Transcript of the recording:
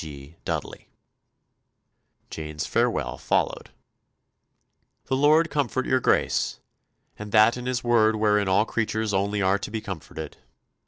G. DUDDELEY." Jane's farewell followed: "The Lord comfort your Grace, and that in His word wherein all creatures only are to be comforted.